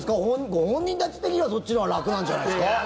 ご本人たち的にはそっちのほうが楽なんじゃないですか？